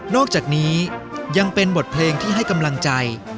อกจากนี้ยังเป็นบทเพลงที่ให้กำลังใจ